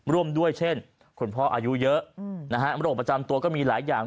ร่วมด้วยเช่นคุณพ่ออายุเยอะนะฮะโรคประจำตัวก็มีหลายอย่าง